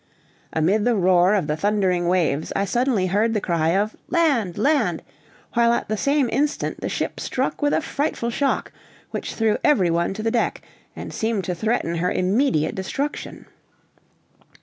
Amid the roar of the thundering waves I suddenly heard the cry of "Land, land!" while at the same instant the ship struck with a frightful shock, which threw every one to the deck, and seemed to threaten her immediate destruction.